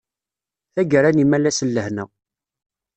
Tagara n imalas n lehna!